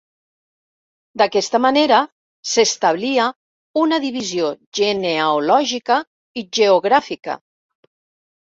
D'aquesta manera, s'establia una divisió genealògica i geogràfica.